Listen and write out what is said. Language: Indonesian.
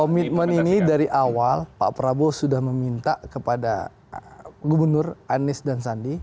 komitmen ini dari awal pak prabowo sudah meminta kepada gubernur anies dan sandi